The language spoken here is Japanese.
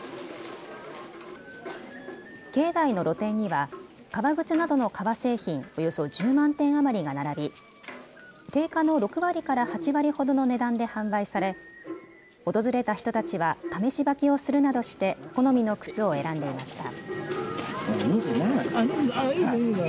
境内の露店には、革靴などの革製品およそ１０万点余りが並び、定価の６割から８割ほどの値段で販売され、訪れた人たちは試し履きをするなどして好みの靴を選んでいました。